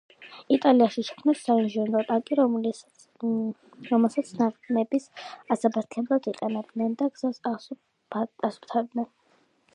იტალიაში შექმნეს საინჟინრო ტანკი რომელსაც ნაღმების ასაფეთქებლად იყენებდნენ და გზას ასუფთავებდნენ.